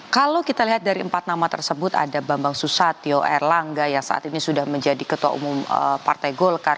kalau kita lihat dari empat nama tersebut ada bambang susatyo erlangga yang saat ini sudah menjadi ketua umum partai golkar